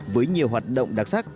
với nhiều hoạt động đặc sắc